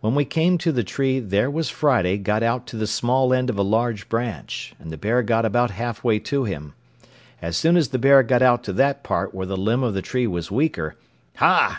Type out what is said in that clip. When we came to the tree, there was Friday got out to the small end of a large branch, and the bear got about half way to him. As soon as the bear got out to that part where the limb of the tree was weaker, "Ha!"